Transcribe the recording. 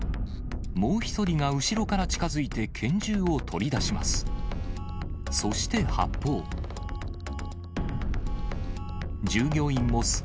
もう１人が後ろから近づいて拳銃を取り出します。